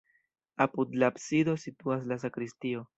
Apud la absido situas la sakristio.